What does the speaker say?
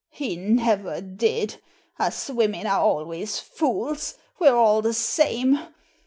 " He never did. Us women are always fools — we're all the same.